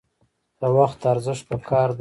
د وخت ارزښت پکار دی